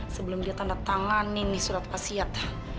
sebelum dia tanda tangan ini surat pasiat